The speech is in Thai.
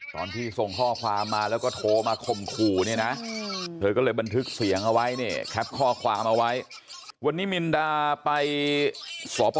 ตอนที่ส่งข้อความมาแล้วก็โทรมาข่มขู่เนี่ยนะเธอก็เลยบันทึกเสียงเอาไว้เนี่ยแคปข้อความเอาไว้วันนี้มินดาไปสอบพอ